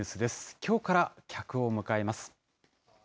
きょうから客を迎えます。